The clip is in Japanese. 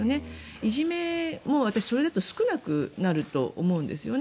いじめも私それだと少なくなると思うんですよね。